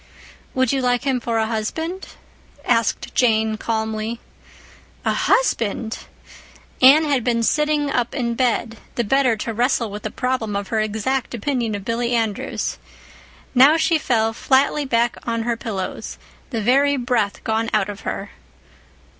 "Would you like him for a husband?" asked Jane calmly. "A husband!" Anne had been sitting up in bed, the better to wrestle with the problem of her exact opinion of Billy Andrews. Now she fell flatly back on her pillows, the very breath gone out of her.